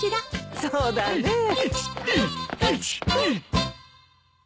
そうだねえ。